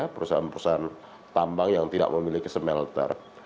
perusahaan perusahaan tambang yang tidak memiliki smelter